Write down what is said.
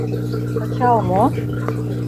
Пычал мо?